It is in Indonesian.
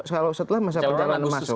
kalau setelah masa perjalanan masuk